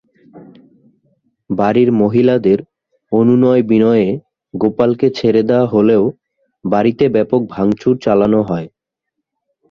বাড়ির মহিলাদের অনুনয়-বিনয়ে গোপালকে ছেড়ে দেওয়া হলেও বাড়িতে ব্যাপক ভাঙচুর চালানো হয়।